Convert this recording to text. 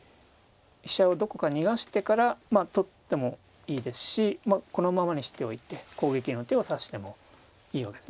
飛車をどこか逃がしてから取ってもいいですしこのままにしておいて攻撃の手を指してもいいわけですね。